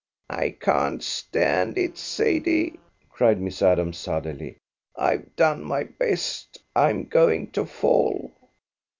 "I can't stand it, Sadie," cried Miss Adams suddenly. "I've done my best. I'm going to fall."